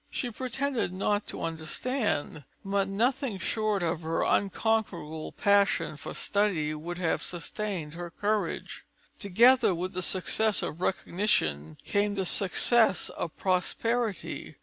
She pretended not to understand, but nothing short of her unconquerable passion for study would have sustained her courage. Together with the success of recognition came the success of prosperity.